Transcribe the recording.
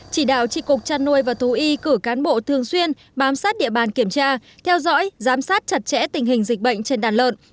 chỉ đạo trị cục chăn nuôi và thú y cử cán bộ thường xuyên bám sát địa bàn kiểm tra theo dõi giám sát chặt chẽ tình hình dịch bệnh trên đàn lợn